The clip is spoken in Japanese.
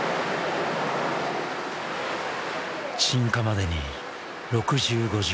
鎮火までに６５時間。